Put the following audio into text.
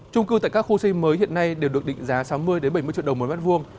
trung cư tại các khu xây mới hiện nay đều được định giá sáu mươi bảy mươi triệu đồng mỗi mét vuông